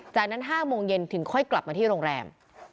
จากนั้น๕โมงเย็นถึงค่อยกลับมาที่โรงแรม